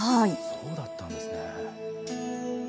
そうだったんですね。